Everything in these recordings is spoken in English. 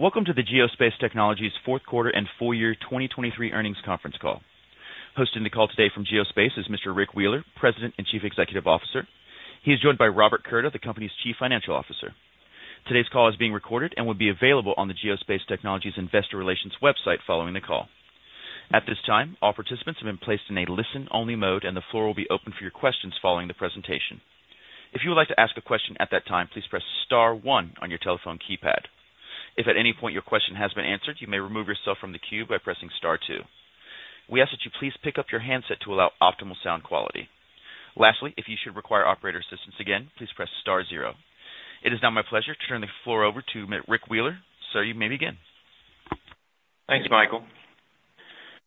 Welcome to the Geospace Technologies Fourth Quarter and Full-Year 2023 Earnings Conference Call. Hosting the call today from Geospace is Mr. Rick Wheeler, President and Chief Executive Officer. He is joined by Robert Curda, the company's Chief Financial Officer. Today's call is being recorded and will be available on the Geospace Technologies Investor Relations website following the call. At this time, all participants have been placed in a listen-only mode, and the floor will be open for your questions following the presentation. If you would like to ask a question at that time, please press star one on your telephone keypad. If at any point your question has been answered, you may remove yourself from the queue by pressing star two. We ask that you please pick up your handset to allow optimal sound quality. Lastly, if you should require operator assistance, again, please press star zero. It is now my pleasure to turn the floor over to Rick Wheeler. Sir, you may begin. Thank you, Michael.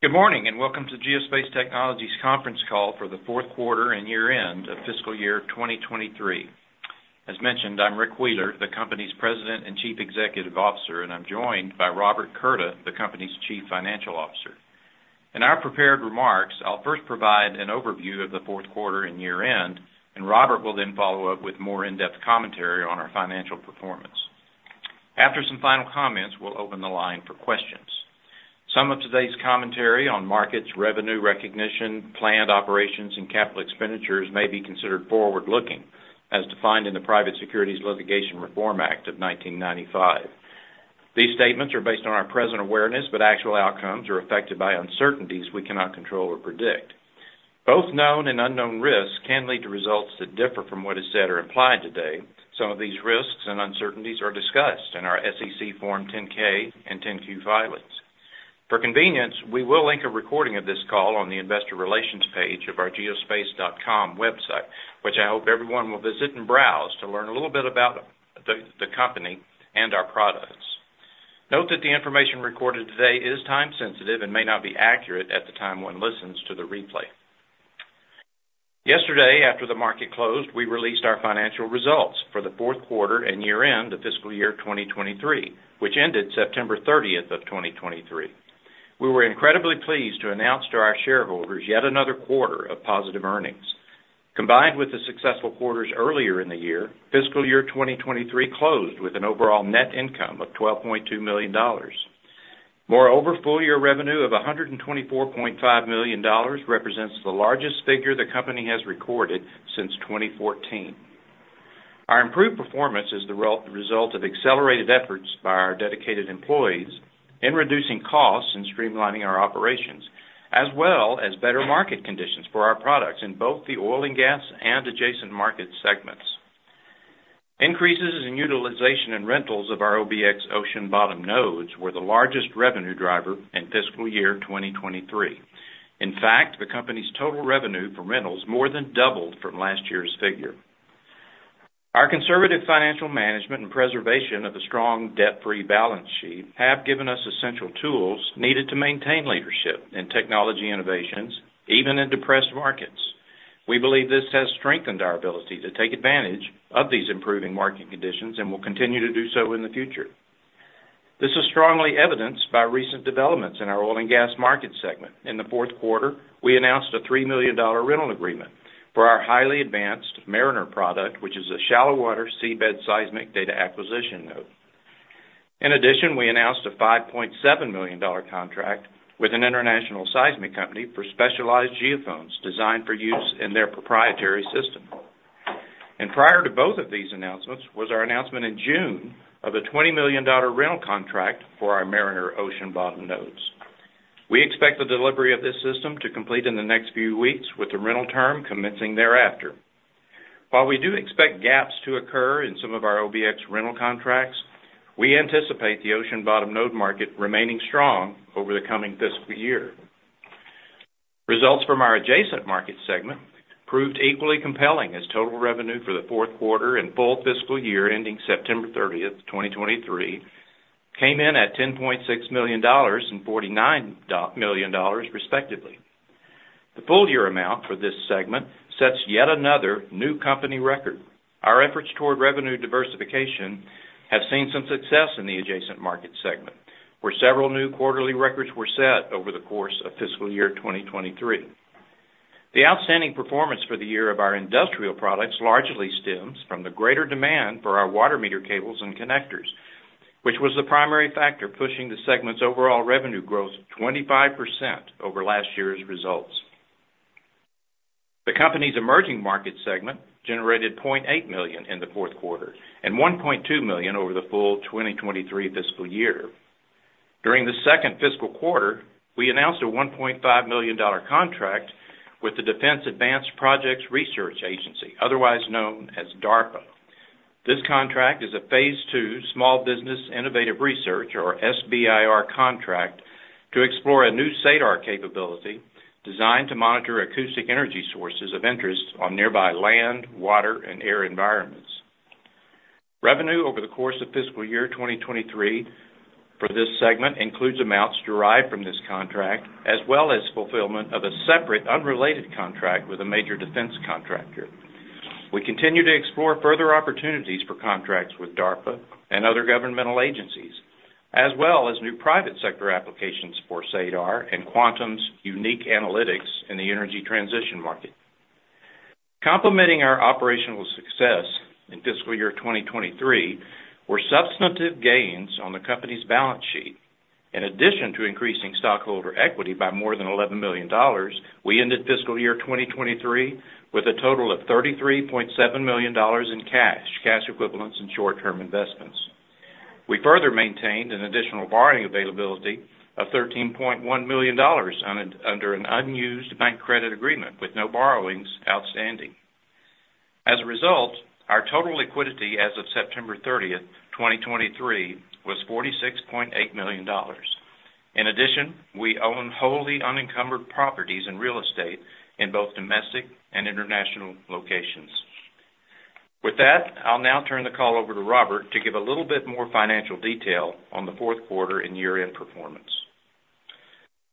Good morning, and welcome to the Geospace Technologies conference call for the fourth quarter and year-end of fiscal year 2023. As mentioned, I'm Rick Wheeler, the company's President and Chief Executive Officer, and I'm joined by Robert Curda, the company's Chief Financial Officer. In our prepared remarks, I'll first provide an overview of the fourth quarter and year-end, and Robert will then follow up with more in-depth commentary on our financial performance. After some final comments, we'll open the line for questions. Some of today's commentary on markets, revenue recognition, planned operations, and capital expenditures may be considered forward-looking, as defined in the Private Securities Litigation Reform Act of 1995. These statements are based on our present awareness, but actual outcomes are affected by uncertainties we cannot control or predict. Both known and unknown risks can lead to results that differ from what is said or implied today. Some of these risks and uncertainties are discussed in our SEC Form 10-K and 10-Q filings. For convenience, we will link a recording of this call on the investor relations page of our Geospace.com website, which I hope everyone will visit and browse to learn a little bit about the company and our products. Note that the information recorded today is time-sensitive and may not be accurate at the time one listens to the replay. Yesterday, after the market closed, we released our financial results for the fourth quarter and year-end of fiscal year 2023, which ended September 30th of 2023. We were incredibly pleased to announce to our shareholders yet another quarter of positive earnings. Combined with the successful quarters earlier in the year, fiscal year 2023 closed with an overall net income of $12.2 million. Moreover, full-year revenue of $124.5 million represents the largest figure the company has recorded since 2014. Our improved performance is the result of accelerated efforts by our dedicated employees in reducing costs and streamlining our operations, as well as better market conditions for our products in both the Oil and Gas and Adjacent Market segments. Increases in utilization and rentals of our OBX ocean bottom nodes were the largest revenue driver in fiscal year 2023. In fact, the company's total revenue for rentals more than doubled from last year's figure. Our conservative financial management and preservation of a strong, debt-free balance sheet have given us essential tools needed to maintain leadership in technology innovations, even in depressed markets. We believe this has strengthened our ability to take advantage of these improving market conditions and will continue to do so in the future. This is strongly evidenced by recent developments in our Oil and Gas Market segment. In the fourth quarter, we announced a $3 million rental agreement for our highly advanced Mariner product, which is a shallow water seabed seismic data acquisition node. In addition, we announced a $5.7 million contract with an international seismic company for specialized geophones designed for use in their proprietary system. And prior to both of these announcements was our announcement in June of a $20 million rental contract for our Mariner ocean bottom nodes. We expect the delivery of this system to complete in the next few weeks, with the rental term commencing thereafter. While we do expect gaps to occur in some of our OBX rental contracts, we anticipate the ocean bottom node market remaining strong over the coming fiscal year. Results from our Adjacent Market segment proved equally compelling, as total revenue for the fourth quarter and full fiscal year ending September 30th, 2023, came in at $10.6 million and $49 million, respectively. The full-year amount for this segment sets yet another new company record. Our efforts toward revenue diversification have seen some success in the Adjacent Market segment, where several new quarterly records were set over the course of fiscal year 2023. The outstanding performance for the year of our industrial products largely stems from the greater demand for our water meter cables and connectors, which was the primary factor pushing the segment's overall revenue growth 25% over last year's results. The company's Emerging Market segment generated $0.8 million in the fourth quarter and $1.2 million over the full 2023 fiscal year. During the second fiscal quarter, we announced a $1.5 million contract with the Defense Advanced Research Projects Agency, otherwise known as DARPA. This contract is a phase II Small Business Innovative Research, or SBIR, contract to explore a new radar capability designed to monitor acoustic energy sources of interest on nearby land, water, and air environments. Revenue over the course of fiscal year 2023 for this segment includes amounts derived from this contract, as well as fulfillment of a separate, unrelated contract with a major defense contractor. We continue to explore further opportunities for contracts with DARPA and other governmental agencies, as well as new private sector applications for radar and Quantum's unique analytics in the energy transition market. Complementing our operational success in fiscal year 2023 were substantive gains on the company's balance sheet. In addition to increasing stockholder equity by more than $11 million, we ended fiscal year 2023 with a total of $33.7 million in cash, cash equivalents, and short-term investments. We further maintained an additional borrowing availability of $13.1 million under an unused bank credit agreement with no borrowings outstanding. As a result, our total liquidity as of September 30, 2023, was $46.8 million. In addition, we own wholly unencumbered properties and real estate in both domestic and international locations. With that, I'll now turn the call over to Robert to give a little bit more financial detail on the fourth quarter and year-end performance.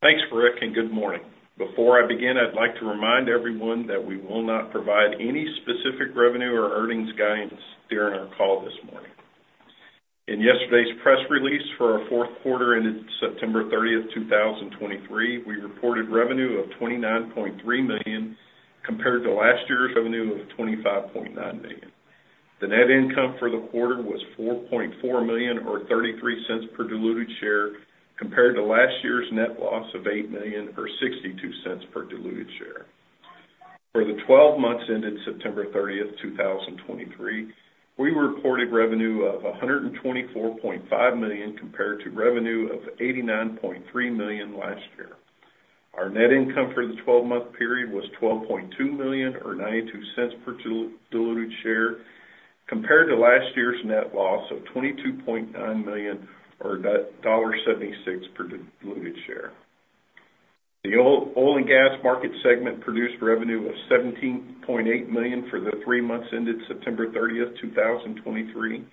Thanks, Rick, and good morning. Before I begin, I'd like to remind everyone that we will not provide any specific revenue or earnings guidance during our call this morning. In yesterday's press release for our fourth quarter, ended September 30, 2023, we reported revenue of $29.3 million, compared to last year's revenue of $25.9 million. The net income for the quarter was $4.4 million or $0.33 per diluted share, compared to last year's net loss of $8 million or $0.62 per diluted share. For the 12 months ended September 30, 2023, we reported revenue of $124.5 million compared to revenue of $89.3 million last year. Our net income for the 12-month period was $12.2 million or $0.92 per diluted share, compared to last year's net loss of $22.9 million or $0.76 per diluted share. The Oil and Gas Market segment produced revenue of $17.8 million for the three months ended September 30, 2023.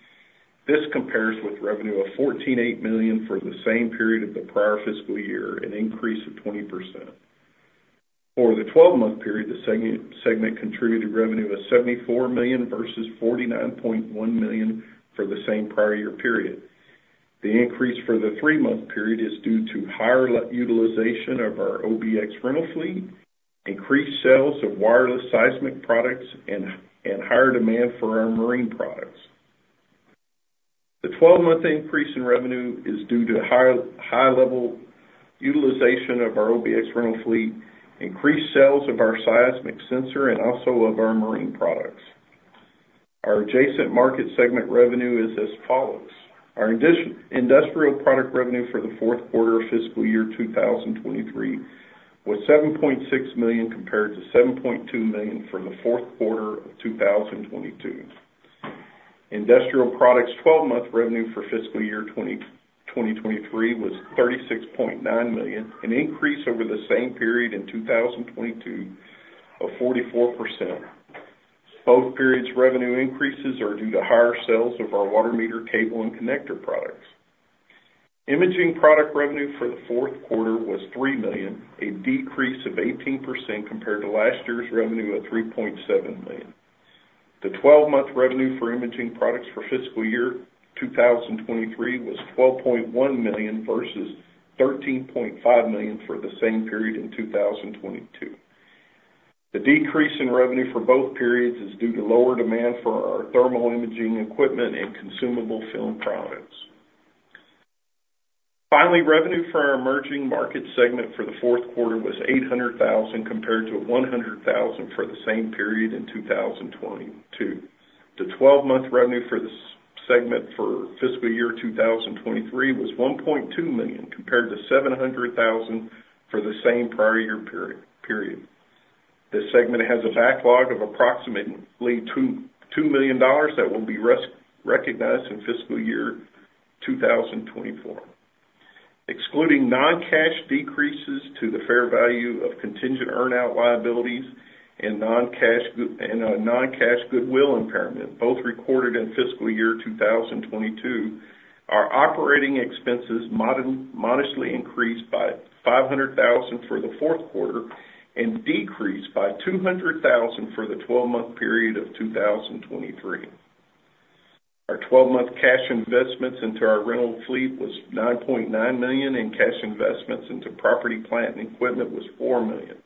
This compares with revenue of $14.8 million for the same period of the prior fiscal year, an increase of 20%. For the 12-month period, the segment contributed revenue of $74 million versus $49.1 million for the same prior year period. The increase for the three-month period is due to higher utilization of our OBX rental fleet, increased sales of wireless seismic products, and higher demand for our marine products. The twelve-month increase in revenue is due to higher high-level utilization of our OBX rental fleet, increased sales of our seismic sensor, and also of our marine products. Our Adjacent Market segment revenue is as follows: Our industrial product revenue for the fourth quarter of fiscal year 2023 was $7.6 million, compared to $7.2 million from the fourth quarter of 2022. Industrial products' twelve-month revenue for fiscal year 2023 was $36.9 million, an increase over the same period in 2022 of 44%. Both periods' revenue increases are due to higher sales of our water meter, cable, and connector products. Imaging product revenue for the fourth quarter was $3 million, a decrease of 18% compared to last year's revenue of $3.7 million. The twelve-month revenue for imaging products for fiscal year 2023 was $12.1 million versus $13.5 million for the same period in 2022. The decrease in revenue for both periods is due to lower demand for our thermal imaging equipment and consumable film products. Finally, revenue for our Emerging Market segment for the fourth quarter was $800,000, compared to $100,000 for the same period in 2022. The 12-month revenue for this segment for fiscal year 2023 was $1.2 million, compared to $700,000 for the same prior year period. This segment has a backlog of approximately $2 million that will be recognized in fiscal year 2024. Excluding non-cash decreases to the fair value of contingent earn-out liabilities and non-cash goodwill impairment, both recorded in fiscal year 2022, our operating expenses modestly increased by $500,000 for the fourth quarter and decreased by $200,000 for the 12-month period of 2023. Our 12-month cash investments into our rental fleet was $9.9 million, and cash investments into property, plant, and equipment was $4 million.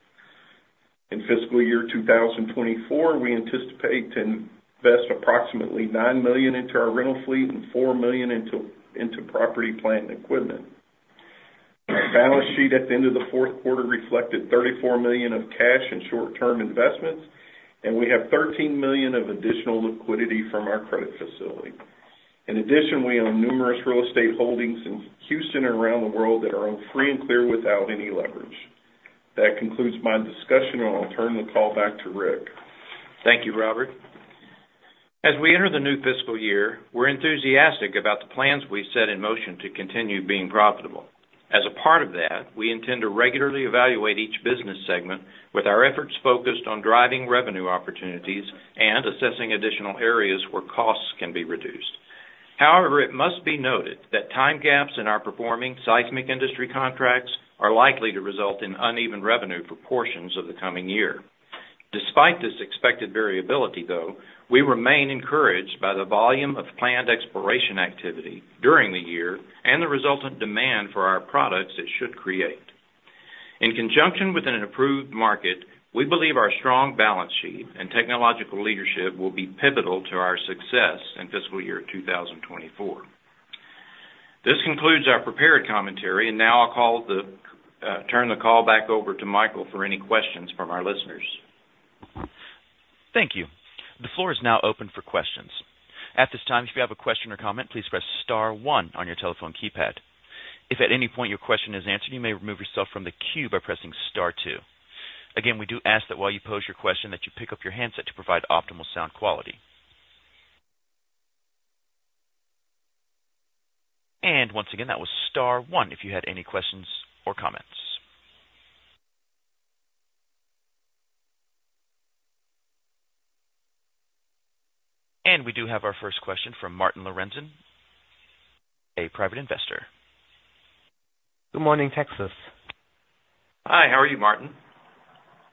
In fiscal year 2024, we anticipate to invest approximately $9 million into our rental fleet and $4 million into property, plant, and equipment. Our balance sheet at the end of the fourth quarter reflected $34 million of cash and short-term investments, and we have $13 million of additional liquidity from our credit facility. In addition, we own numerous real estate holdings in Houston and around the world that are owned free and clear without any leverage. That concludes my discussion, and I'll turn the call back to Rick. Thank you, Robert. As we enter the new fiscal year, we're enthusiastic about the plans we've set in motion to continue being profitable. As a part of that, we intend to regularly evaluate each business segment with our efforts focused on driving revenue opportunities and assessing additional areas where costs can be reduced. However, it must be noted that time gaps in our performing seismic industry contracts are likely to result in uneven revenue proportions of the coming year. Despite this expected variability, though, we remain encouraged by the volume of planned exploration activity during the year and the resultant demand for our products it should create.... In conjunction with an approved market, we believe our strong balance sheet and technological leadership will be pivotal to our success in fiscal year 2024. This concludes our prepared commentary, and now I'll turn the call back over to Michael for any questions from our listeners. Thank you. The floor is now open for questions. At this time, if you have a question or comment, please press star one on your telephone keypad. If at any point your question is answered, you may remove yourself from the queue by pressing star two. Again, we do ask that while you pose your question, that you pick up your handset to provide optimal sound quality. And once again, that was star one if you had any questions or comments. And we do have our first question from Martin Lorenzen, a private investor. Good morning, Texas. Hi, how are you, Martin?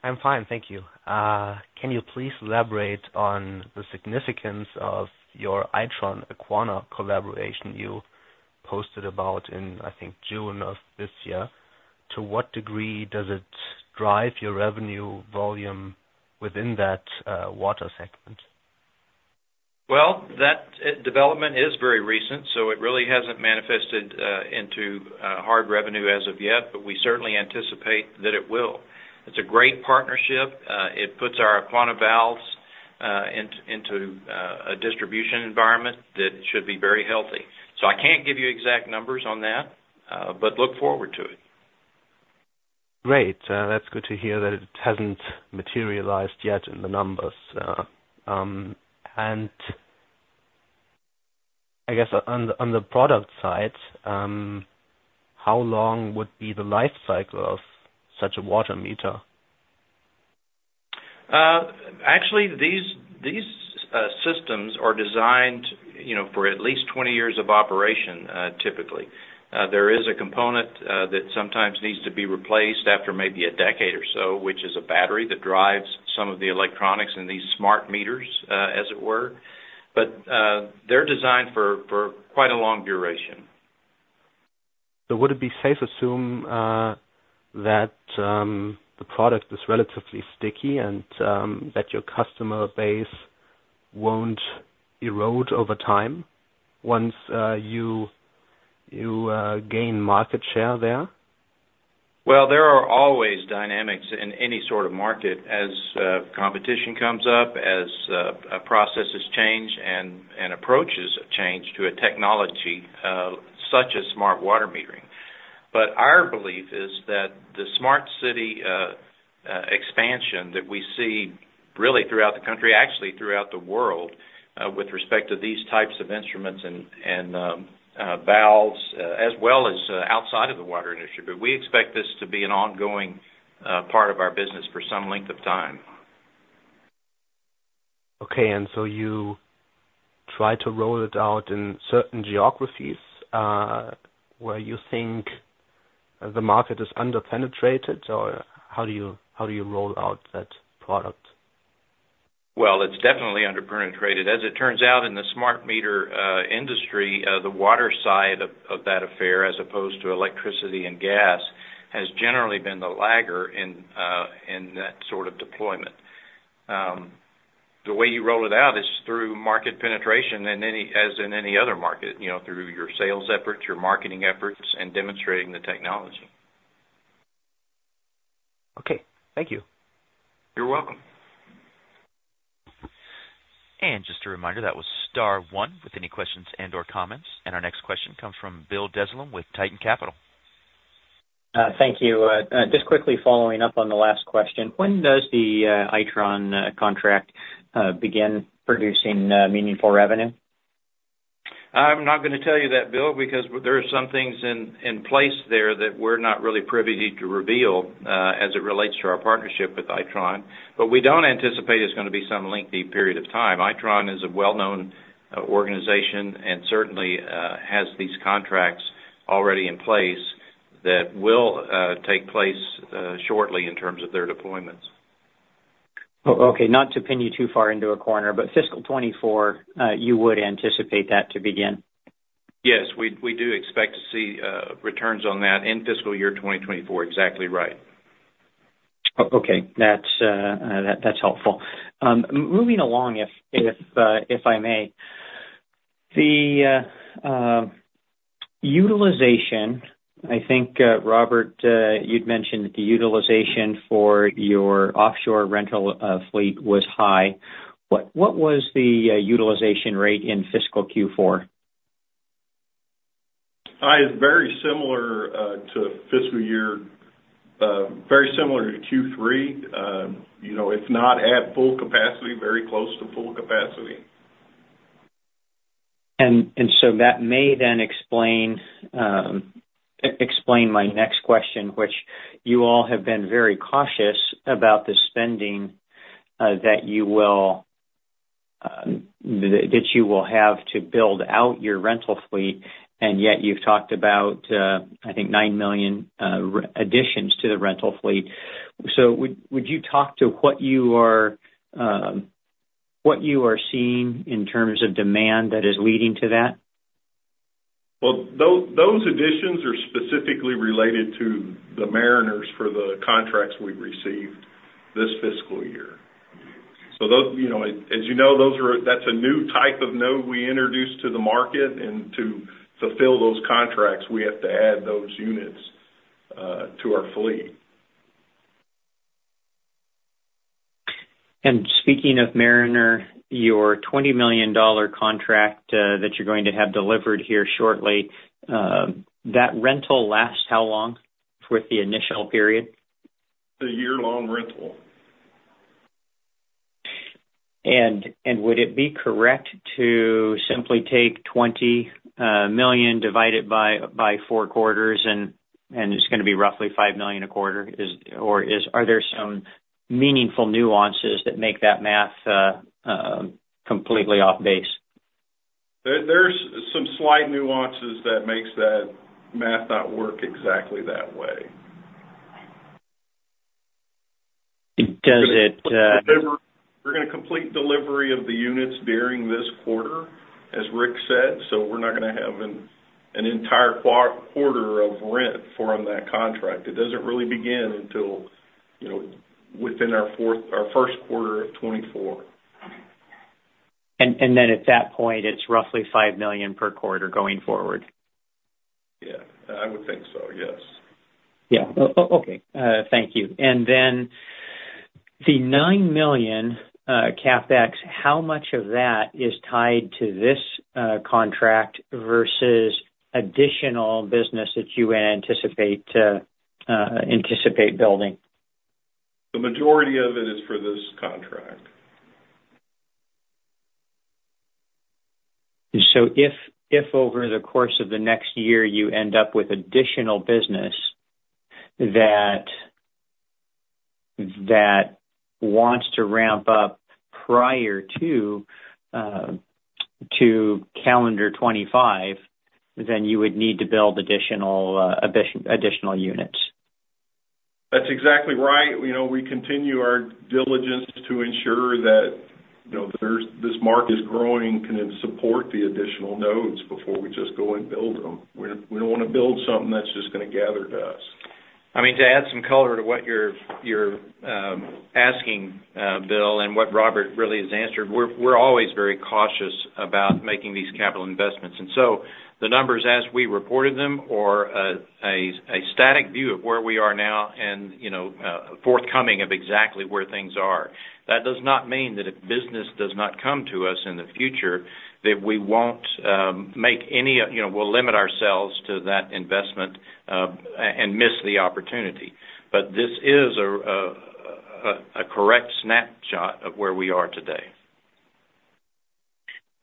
I'm fine, thank you. Can you please elaborate on the significance of your Itron/Aquana collaboration you posted about in, I think, June of this year? To what degree does it drive your revenue volume within that, Water segment? Well, that development is very recent, so it really hasn't manifested into hard revenue as of yet, but we certainly anticipate that it will. It's a great partnership. It puts our Aquana valves into a distribution environment that should be very healthy. So I can't give you exact numbers on that, but look forward to it. Great. That's good to hear that it hasn't materialized yet in the numbers. And I guess on the product side, how long would be the life cycle of such a water meter? Actually, these systems are designed, you know, for at least 20 years of operation, typically. There is a component that sometimes needs to be replaced after maybe a decade or so, which is a battery that drives some of the electronics in these smart meters, as it were. But, they're designed for quite a long duration. Would it be safe to assume that the product is relatively sticky and that your customer base won't erode over time once you gain market share there? Well, there are always dynamics in any sort of market as, competition comes up, as, processes change and, approaches change to a technology, such as smart water metering. But our belief is that the smart city, expansion that we see really throughout the country, actually throughout the world, with respect to these types of instruments and, valves, as well as, outside of the water industry, but we expect this to be an ongoing, part of our business for some length of time. Okay. And so you try to roll it out in certain geographies, where you think the market is under-penetrated, or how do you, how do you roll out that product? Well, it's definitely under-penetrated. As it turns out, in the smart meter industry, the water side of that affair, as opposed to electricity and gas, has generally been the lagger in that sort of deployment. The way you roll it out is through market penetration as in any other market, you know, through your sales efforts, your marketing efforts, and demonstrating the technology. Okay. Thank you. You're welcome. Just a reminder, that was star one with any questions and/or comments. Our next question comes from Bill Dezellem with Titan Capital. Thank you. Just quickly following up on the last question. When does the Itron contract begin producing meaningful revenue? I'm not gonna tell you that, Bill, because there are some things in place there that we're not really privy to reveal, as it relates to our partnership with Itron, but we don't anticipate it's gonna be some lengthy period of time. Itron is a well-known organization, and certainly has these contracts already in place that will take place shortly in terms of their deployments. Okay, not to pin you too far into a corner, but fiscal 2024, you would anticipate that to begin? Yes, we do expect to see returns on that in fiscal year 2024. Exactly right. Okay. That's, that's helpful. Moving along, if I may. The utilization, I think, Robert, you'd mentioned that the utilization for your offshore rental fleet was high. What was the utilization rate in fiscal Q4? It's very similar to fiscal year, very similar to Q3. You know, it's not at full capacity, very close to full capacity. That may then explain my next question, which you all have been very cautious about the spending that you will have to build out your rental fleet, and yet you've talked about, I think, 9 million additions to the rental fleet. So would you talk to what you are seeing in terms of demand that is leading to that? Well, those, those additions are specifically related to the Mariner for the contracts we've received this fiscal year. So those, you know, as you know, those are—that's a new type of node we introduced to the market, and to fulfill those contracts, we have to add those units to our fleet. And speaking of Mariner, your $20 million contract, that you're going to have delivered here shortly, that rental lasts how long with the initial period? A year-long rental. And would it be correct to simply take $20 million, divide it by four quarters, and it's gonna be roughly $5 million a quarter? Or are there some meaningful nuances that make that math completely off base? There's some slight nuances that makes that math not work exactly that way. Does it? We're gonna complete delivery of the units during this quarter, as Rick said, so we're not gonna have an entire quarter of rent from that contract. It doesn't really begin until, you know, within our first quarter of 2024. And then at that point, it's roughly $5 million per quarter going forward. Yeah, I would think so. Yes. Yeah. Okay. Thank you. Then the $9 million CapEx, how much of that is tied to this contract versus additional business that you anticipate building? The majority of it is for this contract. If over the course of the next year, you end up with additional business that wants to ramp up prior to calendar 2025, then you would need to build additional units? That's exactly right. You know, we continue our diligence to ensure that, you know, there's this market is growing, can it support the additional nodes before we just go and build them? We don't, we don't wanna build something that's just gonna gather dust. I mean, to add some color to what you're asking, Bill, and what Robert really has answered, we're always very cautious about making these capital investments. So the numbers as we reported them or a static view of where we are now and, you know, forthcoming of exactly where things are. That does not mean that if business does not come to us in the future, that we won't make any, you know, we'll limit ourselves to that investment and miss the opportunity. But this is a correct snapshot of where we are today.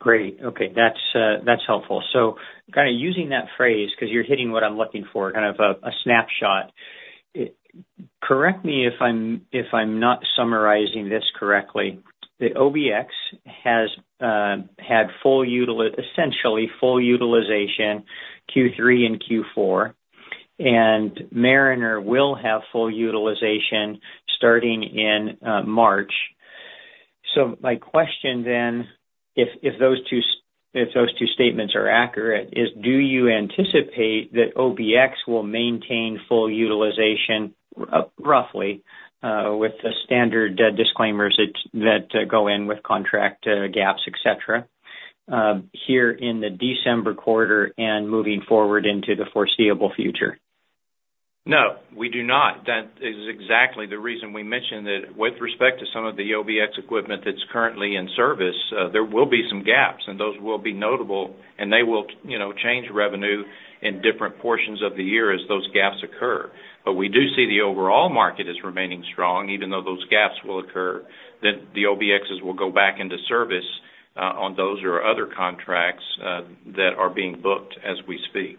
Great. Okay, that's, that's helpful. So kind of using that phrase, because you're hitting what I'm looking for, kind of a snapshot. Correct me if I'm not summarizing this correctly, the OBX has had full utilization Q3 and Q4, and Mariner will have full utilization starting in March. So my question then, if those two statements are accurate, is do you anticipate that OBX will maintain full utilization, roughly, with the standard disclaimers that go in with contract gaps, et cetera, here in the December quarter and moving forward into the foreseeable future? No, we do not. That is exactly the reason we mentioned that with respect to some of the OBX equipment that's currently in service, there will be some gaps, and those will be notable, and they will, you know, change revenue in different portions of the year as those gaps occur. But we do see the overall market as remaining strong, even though those gaps will occur, that the OBXs will go back into service, on those or other contracts, that are being booked as we speak.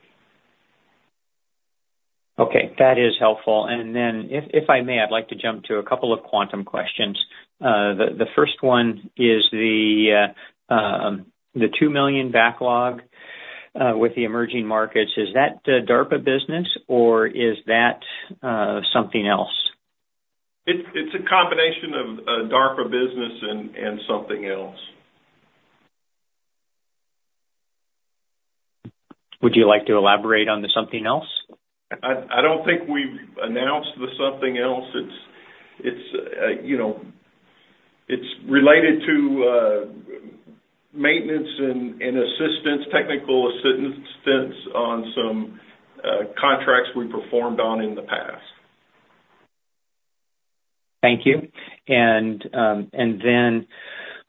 Okay, that is helpful. And then if I may, I'd like to jump to a couple of Quantum questions. The first one is the $2 million backlog with the Emerging Markets. Is that the DARPA business or is that something else? It's a combination of DARPA business and something else. Would you like to elaborate on the something else? I don't think we've announced the something else. It's, you know, it's related to maintenance and assistance, technical assistance on some contracts we performed on in the past. Thank you. And, and then,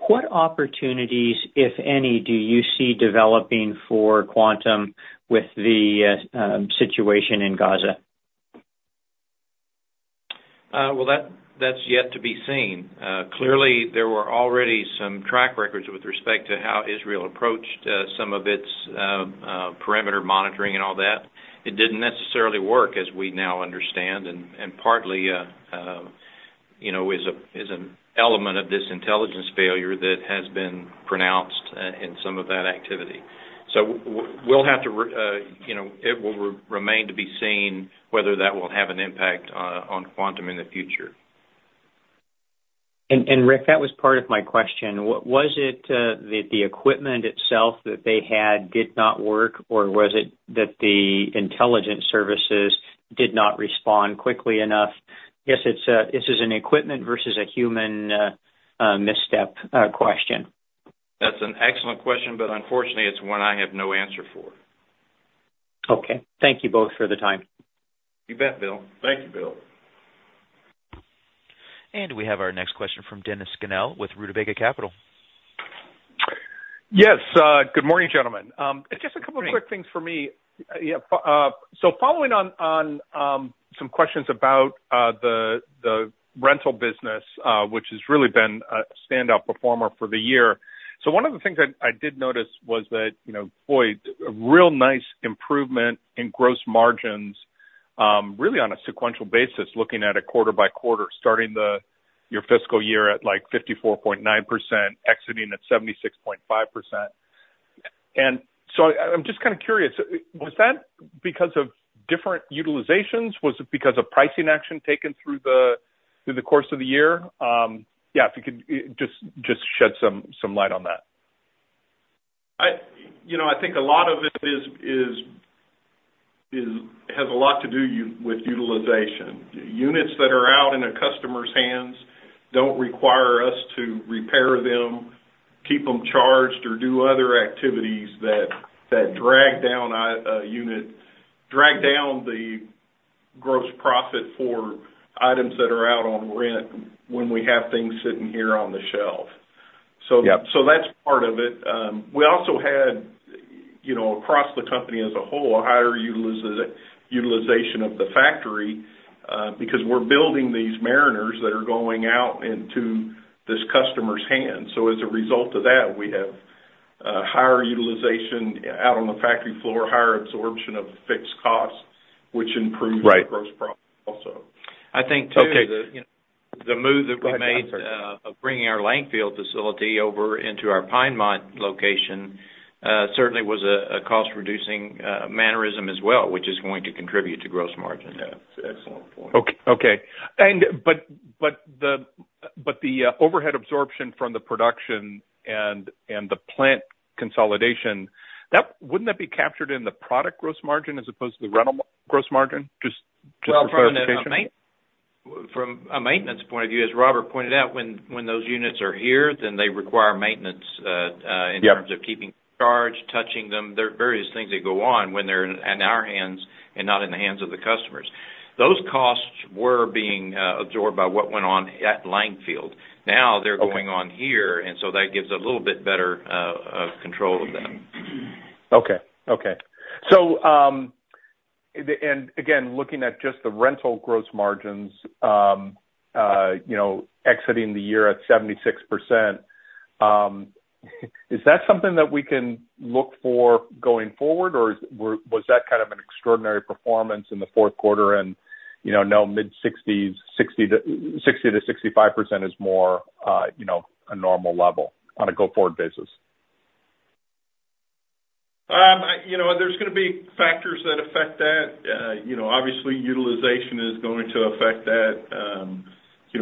what opportunities, if any, do you see developing for Quantum with the situation in Gaza? Well, that that's yet to be seen. Clearly, there were already some track records with respect to how Israel approached some of its perimeter monitoring and all that. It didn't necessarily work as we now understand, and partly, you know, is an element of this intelligence failure that has been pronounced in some of that activity. So we'll have to, you know, it will remain to be seen whether that will have an impact on Quantum in the future. And Rick, that was part of my question. Was it the equipment itself that they had did not work, or was it that the intelligence services did not respond quickly enough? Guess it's, this is an equipment versus a human misstep question. That's an excellent question, but unfortunately, it's one I have no answer for. Okay. Thank you both for the time. You bet, Bill. Thank you, Bill. We have our next question from Dennis Scannell, with Rutabaga Capital. Yes, good morning, gentlemen. Just a couple- Good morning. couple of quick things for me. Yeah, so following on some questions about the rental business, which has really been a standout performer for the year. So one of the things I did notice was that, you know, boy, a real nice improvement in gross margins, really on a sequential basis, looking at it quarter by quarter, starting your fiscal year at, like, 54.9%, exiting at 76.5%. And so I'm just kind of curious, was that because of different utilizations? Was it because of pricing action taken through the course of the year? Yeah, if you could just shed some light on that. I, you know, I think a lot of it is... has a lot to do with utilization. Units that are out in a customer's hands don't require us to repair them, keep them charged, or do other activities that drag down a unit, drag down the gross profit for items that are out on rent when we have things sitting here on the shelf. Yep. So that's part of it. We also had, you know, across the company as a whole, a higher utilization of the factory, because we're building these Mariners that are going out into this customer's hands. So as a result of that, we have higher utilization out on the factory floor, higher absorption of fixed costs, which improves- Right... the gross profit also. I think, too- Okay. You know, the move that we made- Go ahead, sorry.... of bringing our Langfield facility over into our Pinemont location, certainly was a cost reducing mannerism as well, which is going to contribute to gross margin. Yeah, that's an excellent point. Okay. But the overhead absorption from the production and the plant consolidation, wouldn't that be captured in the product gross margin as opposed to the rental gross margin? Just for clarification. Well, from a maintenance point of view, as Robert pointed out, when those units are here, then they require maintenance. Yep... in terms of keeping charged, touching them. There are various things that go on when they're in, in our hands and not in the hands of the customers. Those costs were being absorbed by what went on at Langfield. Okay. Now, they're going on here, and so that gives a little bit better control of them. Okay, okay. So, and again, looking at just the rental gross margins, you know, exiting the year at 76%, is that something that we can look for going forward, or was that kind of an extraordinary performance in the fourth quarter and, you know, now mid-sixties, 60%-65% is more, you know, a normal level on a go-forward basis? You know, there's gonna be factors that affect that. You know, obviously, utilization is going to affect that. You know,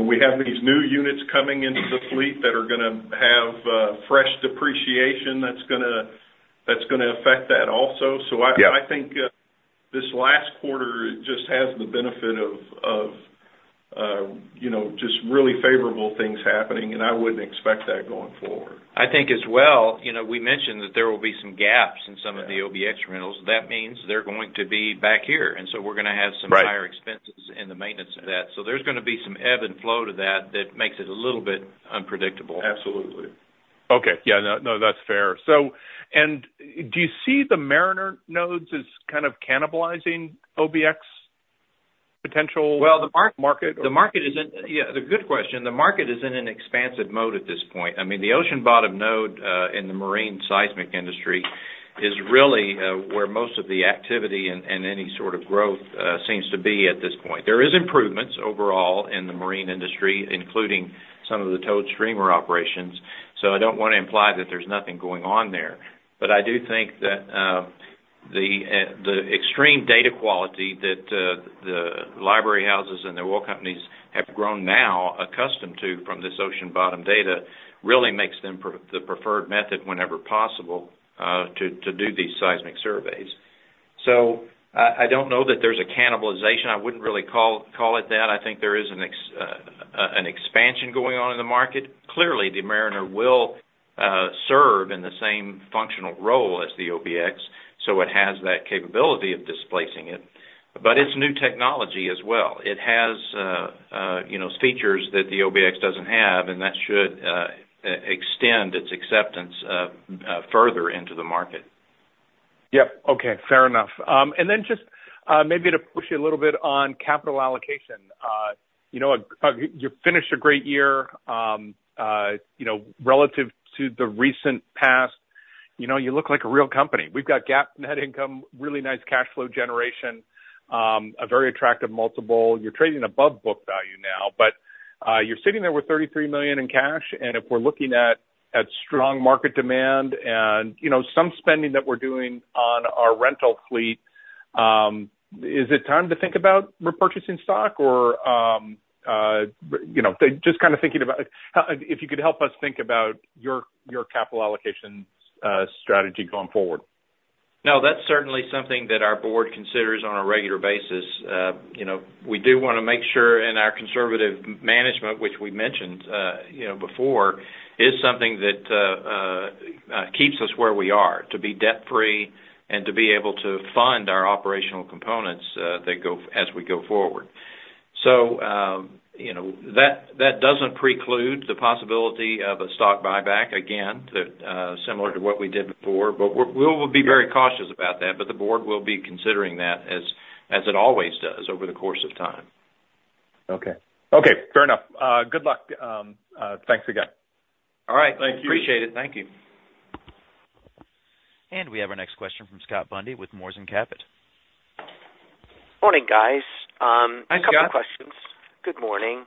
we have these new units coming into the fleet that are gonna have fresh depreciation that's gonna affect that also. Yep. I think this last quarter just has the benefit of you know just really favorable things happening, and I wouldn't expect that going forward. I think as well, you know, we mentioned that there will be some gaps- Yeah... in some of the OBX rentals. That means they're going to be back here, and so we're gonna have some- Right... higher expenses in the maintenance of that. So there's gonna be some ebb and flow to that. That makes it a little bit unpredictable. Absolutely. Okay. Yeah, no, no, that's fair. So, and do you see the Mariner nodes as kind of cannibalizing OBX potential- Well, the mar- - market? The market isn't... Yeah, it's a good question. The market is in an expansive mode at this point. I mean, the ocean bottom node in the marine seismic industry is really where most of the activity and any sort of growth seems to be at this point. There is improvements overall in the marine industry, including some of the towed streamer operations, so I don't want to imply that there's nothing going on there. But I do think that the extreme data quality that the libraries and the oil companies have grown now accustomed to from this ocean bottom data really makes them the preferred method whenever possible to do these seismic surveys. So I don't know that there's a cannibalization. I wouldn't really call it that. I think there is an expansion going on in the market. Clearly, the Mariner will serve in the same functional role as the OBX, so it has that capability of displacing it. But it's new technology as well. It has, you know, features that the OBX doesn't have, and that should extend its acceptance further into the market. Yep, okay. Fair enough. And then just maybe to push you a little bit on capital allocation. You know, you finished a great year. You know, relative to the recent past, you know, you look like a real company. We've got GAAP net income, really nice cash flow generation, a very attractive multiple. You're trading above book value now, but you're sitting there with $33 million in cash, and if we're looking at strong market demand and, you know, some spending that we're doing on our rental fleet. Is it time to think about repurchasing stock? Or you know, just kind of thinking about if you could help us think about your capital allocation strategy going forward. No, that's certainly something that our board considers on a regular basis. You know, we do wanna make sure in our conservative management, which we mentioned, you know, before, is something that keeps us where we are, to be debt free and to be able to fund our operational components that go as we go forward. So, you know, that doesn't preclude the possibility of a stock buyback, again, similar to what we did before, but we will be very cautious about that, but the board will be considering that as it always does over the course of time. Okay. Okay, fair enough. Good luck. Thanks again. All right. Thank you. Appreciate it. Thank you. We have our next question from Scott Bundy with Moors & Cabot. Morning, guys. Hi, Scott. A couple questions. Good morning.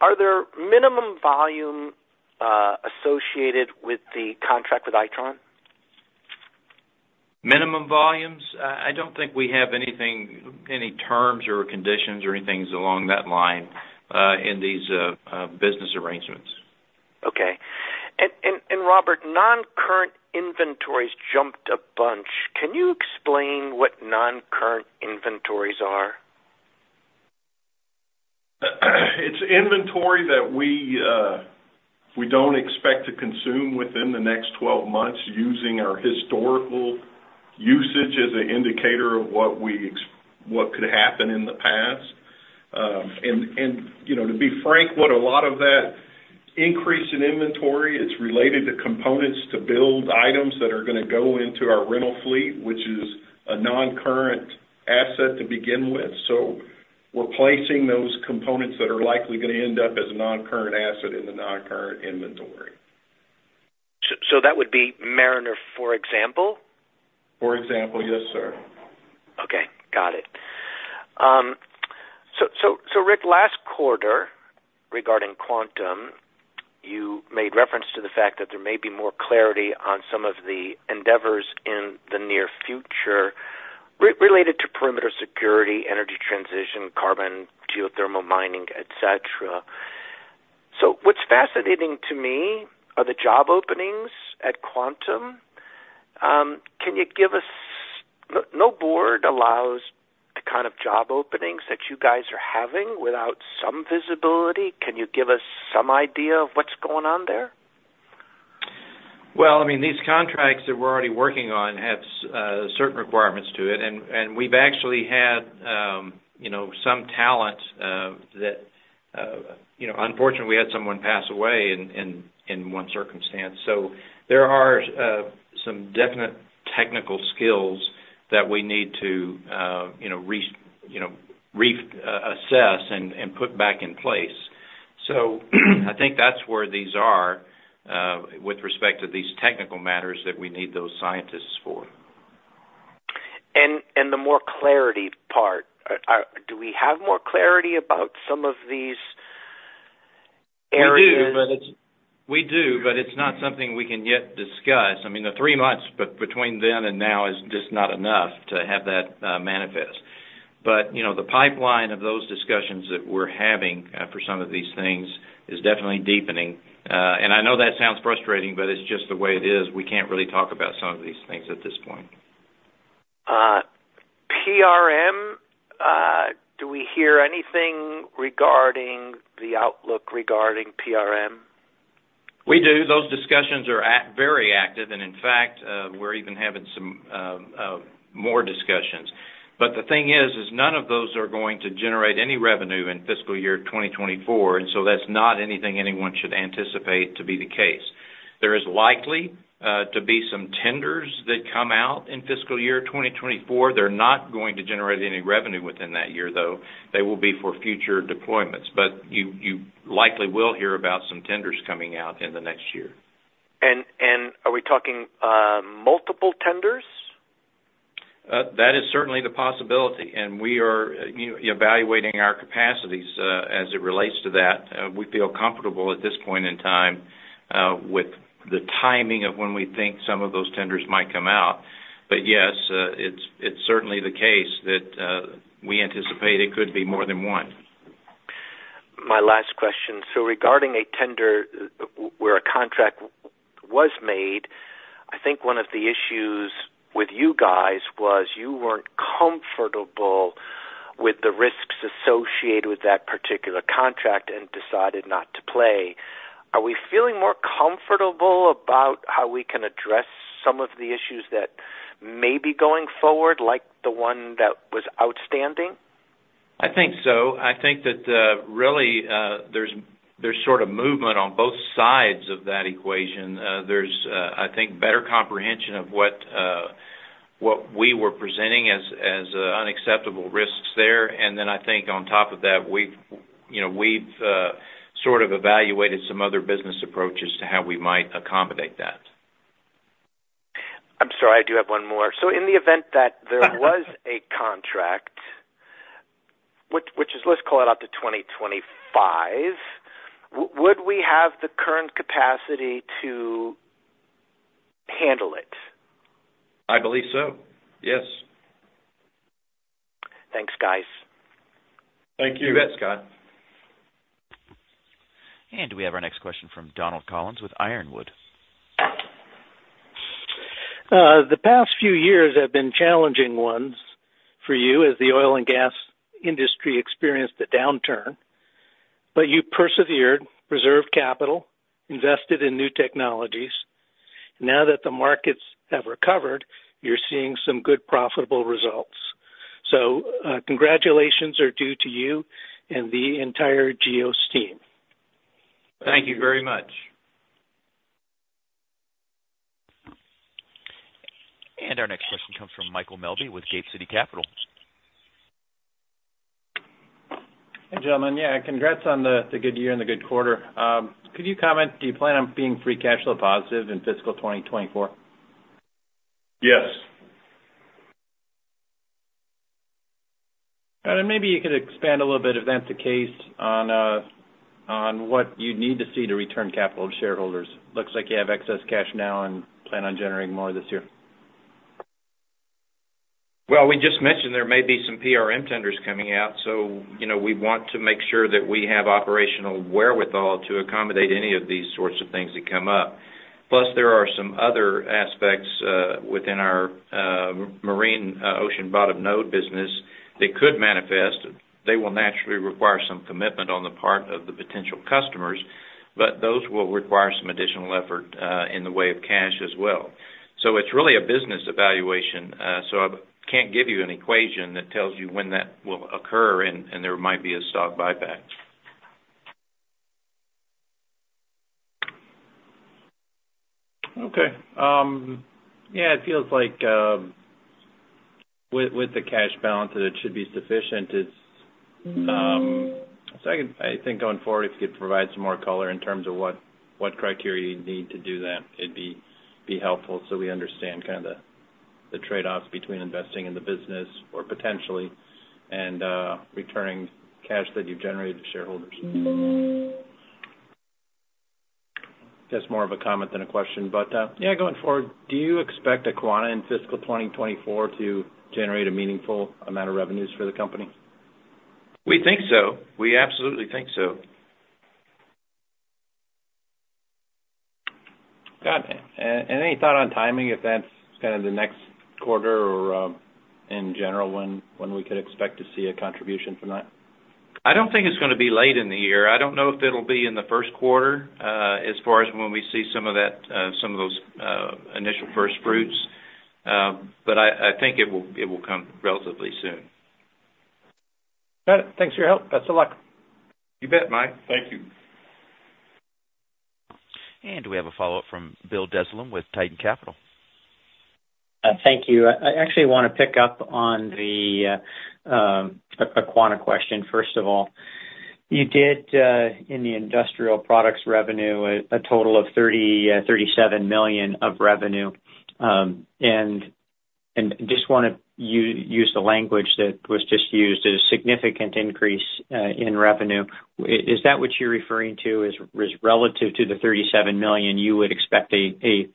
Are there minimum volume associated with the contract with Itron? Minimum volumes? I don't think we have anything, any terms or conditions or anything along that line, business arrangements. Okay. And Robert, non-current inventories jumped a bunch. Can you explain what non-current inventories are? It's inventory that we don't expect to consume within the next 12 months using our historical usage as an indicator of what could happen in the past. And you know, to be frank, what a lot of that increase in inventory, it's related to components to build items that are gonna go into our rental fleet, which is a non-current asset to begin with. So we're placing those components that are likely gonna end up as non-current asset in the non-current inventory. So, so that would be Mariner, for example? For example. Yes, sir. Okay, got it. So, so, so Rick, last quarter, regarding Quantum, you made reference to the fact that there may be more clarity on some of the endeavors in the near future related to perimeter security, energy transition, carbon, geothermal mining, et cetera. So what's fascinating to me are the job openings at Quantum. Can you give us... No, no board allows the kind of job openings that you guys are having without some visibility. Can you give us some idea of what's going on there? Well, I mean, these contracts that we're already working on have certain requirements to it. And we've actually had, you know, some talent that, you know, unfortunately, we had someone pass away in one circumstance. So there are some definite technical skills that we need to, you know, reassess and put back in place. So I think that's where these are with respect to these technical matters that we need those scientists for. And the more clarity part, do we have more clarity about some of these areas? We do, but it's not something we can yet discuss. I mean, the three months between then and now is just not enough to have that manifest. But, you know, the pipeline of those discussions that we're having for some of these things is definitely deepening. And I know that sounds frustrating, but it's just the way it is. We can't really talk about some of these things at this point. PRM, do we hear anything regarding the outlook regarding PRM? We do. Those discussions are very active, and in fact, we're even having some more discussions. But the thing is, is none of those are going to generate any revenue in fiscal year 2024, and so that's not anything anyone should anticipate to be the case. There is likely to be some tenders that come out in fiscal year 2024. They're not going to generate any revenue within that year, though. They will be for future deployments. But you likely will hear about some tenders coming out in the next year. Are we talking multiple tenders? That is certainly the possibility, and we are, you know, evaluating our capacities, as it relates to that. We feel comfortable at this point in time, with the timing of when we think some of those tenders might come out. But yes, it's certainly the case that we anticipate it could be more than one. My last question: So regarding a tender where a contract was made, I think one of the issues with you guys was you weren't comfortable with the risks associated with that particular contract and decided not to play. Are we feeling more comfortable about how we can address some of the issues that may be going forward, like the one that was outstanding? I think so. I think that, really, there's sort of movement on both sides of that equation. There's, I think, better comprehension of what we were presenting as unacceptable risks there. And then I think on top of that, we've, you know, we've sort of evaluated some other business approaches to how we might accommodate that. I'm sorry, I do have one more. So in the event that there was a contract, which is, let's call it out to 2025, would we have the current capacity to handle it? I believe so. Yes. Thanks, guys. Thank you. You bet, Scott. And we have our next question from Donald Collins with Ironwood. The past few years have been challenging ones for you as the Oil and Gas industry experienced a downturn, but you persevered, reserved capital, invested in new technologies. Now that the markets have recovered, you're seeing some good profitable results. So, congratulations are due to you and the entire GEOS team. Thank you very much. Our next question comes from Michael Melby with Gate City Capital. Hey, gentlemen. Yeah, congrats on the good year and the good quarter. Could you comment, do you plan on being free cash flow positive in fiscal 2024? Yes. And then maybe you could expand a little bit, if that's the case, on what you'd need to see to return capital to shareholders. Looks like you have excess cash now and plan on generating more this year. Well, we just mentioned there may be some PRM tenders coming out, so, you know, we want to make sure that we have operational wherewithal to accommodate any of these sorts of things that come up. Plus, there are some other aspects within our marine ocean bottom node business that could manifest. They will naturally require some commitment on the part of the potential customers, but those will require some additional effort in the way of cash as well. So it's really a business evaluation, so I can't give you an equation that tells you when that will occur, and there might be a stock buyback. Okay. Yeah, it feels like, with the cash balance, that it should be sufficient. It's, I think going forward, if you could provide some more color in terms of what criteria you need to do that, it'd be helpful, so we understand kind of the trade-offs between investing in the business or potentially, and returning cash that you've generated to shareholders. That's more of a comment than a question, but, yeah, going forward, do you expect Aquana in fiscal 2024 to generate a meaningful amount of revenues for the company? We think so. We absolutely think so. Got it. Any thought on timing, if that's kind of the next quarter or, in general, when, when we could expect to see a contribution from that? I don't think it's gonna be late in the year. I don't know if it'll be in the first quarter, as far as when we see some of that, some of those, initial first fruits, but I think it will, it will come relatively soon. Got it. Thanks for your help. Best of luck. You bet, Mike. Thank you. We have a follow-up from Bill Dezellem with Titan Capital. Thank you. I, I actually want to pick up on the Aquana question, first of all. You did in the industrial products revenue a total of $37 million of revenue, and just want to use the language that was just used, a significant increase in revenue. Is that what you're referring to as relative to the $37 million, you would expect a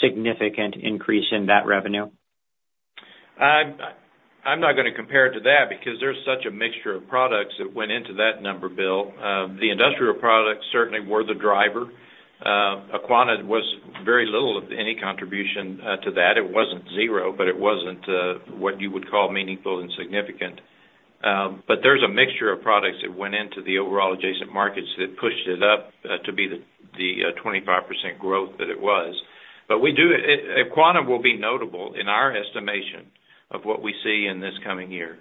significant increase in that revenue? I'm not going to compare it to that because there's such a mixture of products that went into that number, Bill. The industrial products certainly were the driver. Aquana was very little of any contribution to that. It wasn't zero, but it wasn't what you would call meaningful and significant. But there's a mixture of products that went into the overall Adjacent Markets that pushed it up to be the 25% growth that it was. But Aquana will be notable in our estimation of what we see in this coming year.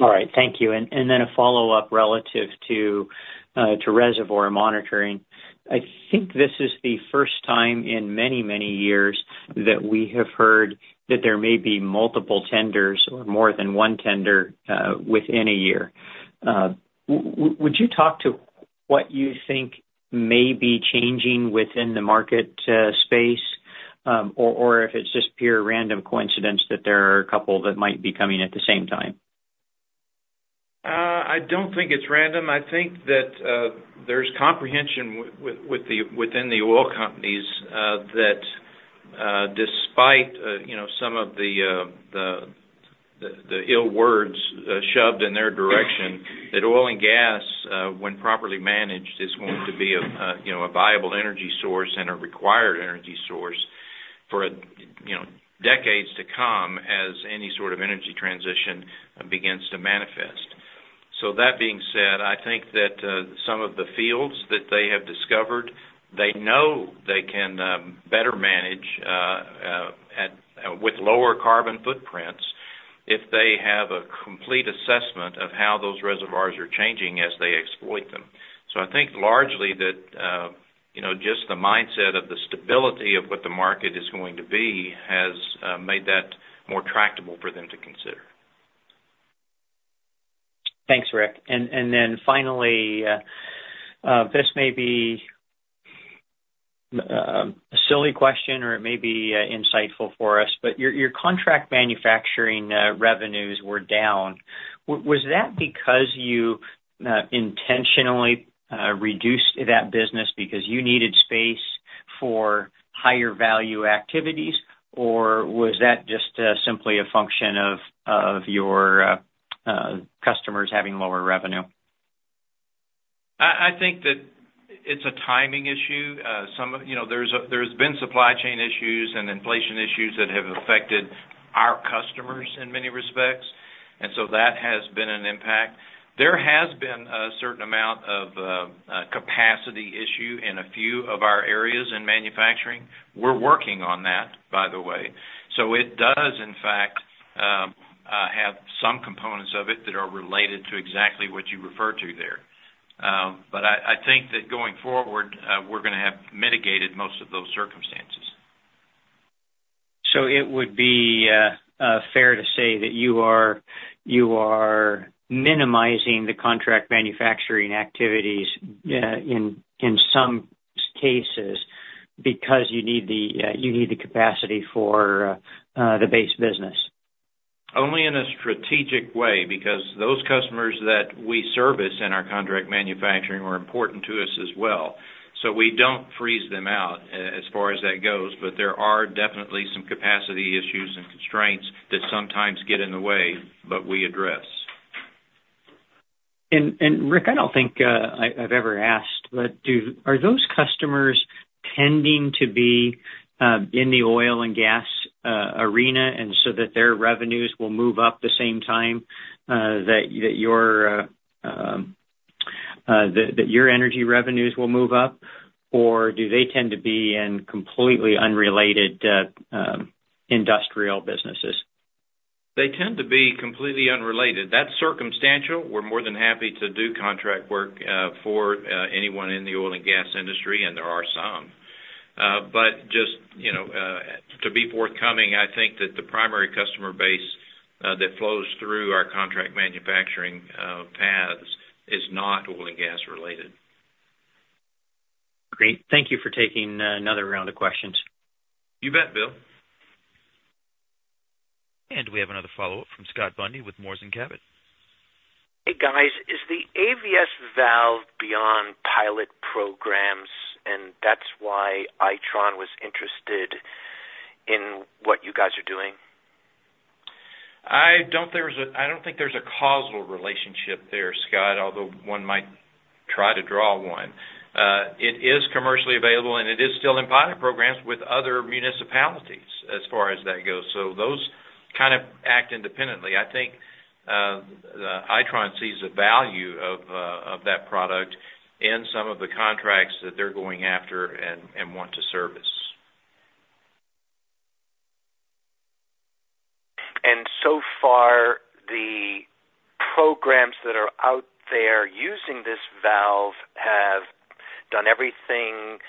All right. Thank you. And then a follow-up relative to reservoir monitoring. I think this is the first time in many, many years that we have heard that there may be multiple tenders or more than one tender within a year. Would you talk to what you think may be changing within the market space? Or if it's just pure random coincidence that there are a couple that might be coming at the same time. I don't think it's random. I think that, there's comprehension with the, within the oil companies, that, despite, you know, some of the, the, the, the ill words, shoved in their direction, that Oil and Gas, when properly managed, is going to be, you know, a viable energy source and a required energy source for, you know, decades to come, as any sort of energy transition begins to manifest. So that being said, I think that, some of the fields that they have discovered, they know they can, better manage, at, with lower carbon footprints, if they have a complete assessment of how those reservoirs are changing as they exploit them. I think largely that, you know, just the mindset of the stability of what the market is going to be has made that more tractable for them to consider. Thanks, Rick. And then finally, this may be a silly question, or it may be insightful for us, but your contract manufacturing revenues were down. Was that because you intentionally reduced that business because you needed space for higher value activities? Or was that just simply a function of your customers having lower revenue? I think that it's a timing issue. Some of—you know, there's been supply chain issues and inflation issues that have affected our customers in many respects, and so that has been an impact. There has been a certain amount of capacity issue in a few of our areas in manufacturing. We're working on that, by the way. So it does, in fact, have some components of it that are related to exactly what you referred to there. But I think that going forward, we're gonna have mitigated most of those circumstances. So it would be fair to say that you are minimizing the contract manufacturing activities in some cases because you need the capacity for the base business? Only in a strategic way, because those customers that we service in our contract manufacturing are important to us as well. So we don't freeze them out, as far as that goes, but there are definitely some capacity issues and constraints that sometimes get in the way, but we address. Rick, I don't think I've ever asked, but are those customers tending to be in the Oil and Gas arena, and so that their revenues will move up the same time that your energy revenues will move up? Or do they tend to be in completely unrelated industrial businesses? They tend to be completely unrelated. That's circumstantial. We're more than happy to do contract work, for, anyone in the Oil and Gas industry, and there are some. But just, you know, to be forthcoming, I think that the primary customer base, that flows through our contract manufacturing, paths is not Oil and Gas related. Great. Thank you for taking another round of questions. You bet, Bill. We have another follow-up from Scott Bundy with Moors & Cabot. Hey, guys. Is the AVS valve beyond pilot programs, and that's why Itron was interested in what you guys are doing? I don't think there's a causal relationship there, Scott, although one might try to draw one. It is commercially available, and it is still in pilot programs with other municipalities as far as that goes. So those kind of act independently. I think, the Itron sees the value of, of that product in some of the contracts that they're going after and, and want to service. And so far, the programs that are out there using this valve have done everything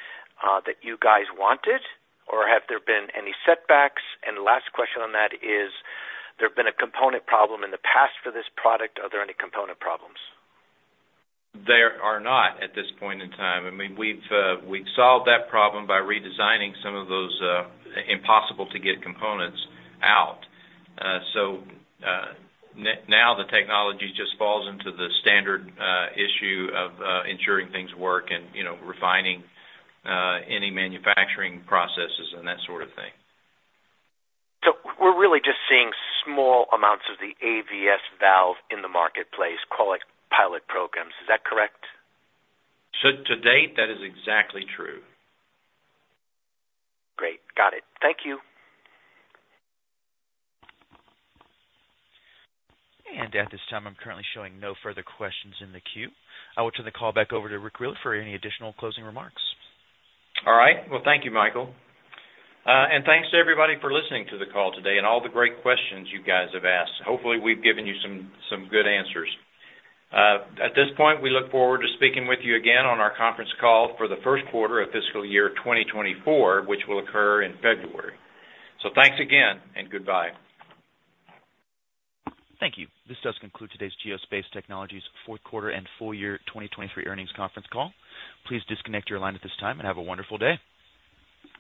that you guys wanted, or have there been any setbacks? And last question on that is, there have been a component problem in the past for this product. Are there any component problems? There are not at this point in time. I mean, we've we've solved that problem by redesigning some of those impossible to get components out. So now the technology just falls into the standard issue of ensuring things work and, you know, refining any manufacturing processes and that sort of thing. So we're really just seeing small amounts of the AVS valve in the marketplace, call it pilot programs. Is that correct? To date, that is exactly true. Great. Got it. Thank you. At this time, I'm currently showing no further questions in the queue. I will turn the call back over to Rick Wheeler for any additional closing remarks. All right. Well, thank you, Michael. And thanks to everybody for listening to the call today and all the great questions you guys have asked. Hopefully, we've given you some, some good answers. At this point, we look forward to speaking with you again on our conference call for the first quarter of fiscal year 2024, which will occur in February. Thanks again, and goodbye. Thank you. This does conclude today's Geospace Technologies fourth quarter and full year 2023 earnings conference call. Please disconnect your line at this time and have a wonderful day.